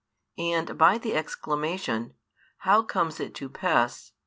And by the exclamation, How comes it to pass?